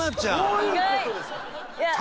どういう事ですか？